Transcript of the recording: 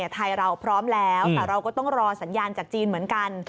ไทยเราพร้อมแล้วแต่เราก็ต้องรอสัญญาณจากจีนเหมือนกัน